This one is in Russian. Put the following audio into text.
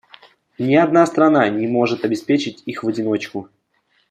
Ни одна страна не может обеспечить их в одиночку.